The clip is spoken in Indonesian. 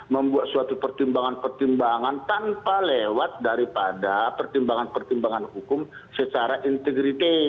membuat suatu pertimbangan pertimbangan tanpa lewat daripada pertimbangan pertimbangan hukum secara integritas